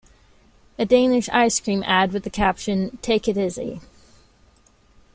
A Danish ice cream ad with the caption, "Take it Is'i".